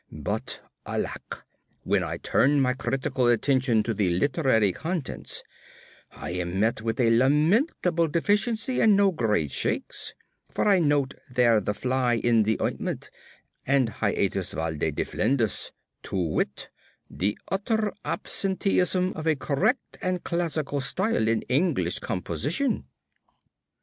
But, alack! when I turn my critical attention to the literary contents, I am met with a lamentable deficiency and no great shakes, for I note there the fly in the ointment and hiatus valde deflendus to wit the utter absenteeism of a correct and classical style in English composition.